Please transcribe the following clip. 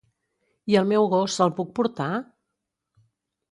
I el meu gos, el puc portar?